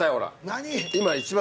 何？